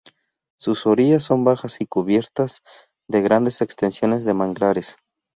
Sus orillas son bajas y cubiertas de grandes extensiones de manglares.